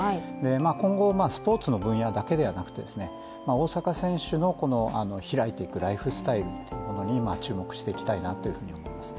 今後、スポーツの分野だけではなくて大坂選手のひらいていくライフスタイルに注目していきたいなと思いますね。